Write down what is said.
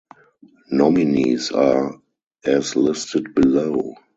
Nominees are as listed below.